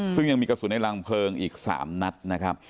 ซึ่งยังมีกระสุนในรังเพลิงอีก๓นัดนะครับ